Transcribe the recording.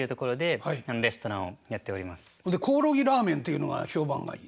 コオロギラーメンっていうのが評判がいい？